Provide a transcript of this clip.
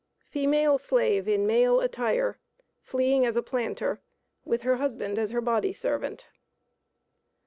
FEMALE SLAVE IN MALE ATTIRE, FLEEING AS A PLANTER, WITH HER HUSBAND AS HER BODY SERVANT.